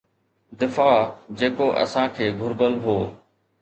دفاع جيڪو اسان کي گهربل هو.